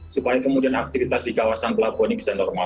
supaya kemudian aktivitas di kawasan pelabuhan ini bisa normal